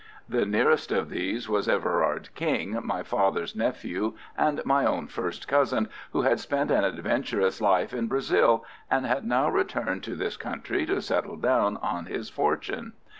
The nearest of these was Everard King, my father's nephew and my own first cousin, who had spent an adventurous life in Brazil, and had now returned to this country to settle down on his fortune.